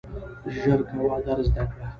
ژر کوه درس زده کړه !